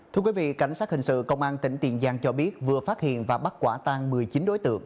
thưa quý vị cảnh sát hình sự công an tỉnh tiền giang cho biết vừa phát hiện và bắt quả tan một mươi chín đối tượng